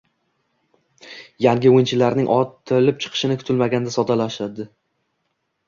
yangi o‘yinchilarning otilib chiqishi kutilmaganda soddalashdi.